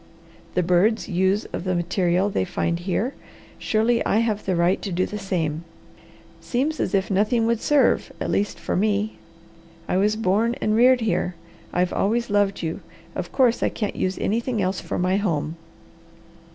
The birds use of the material they find here; surely I have the right to do the same. Seems as if nothing else would serve, at least for me. I was born and reared here, I've always loved you; of course, I can't use anything else for my home."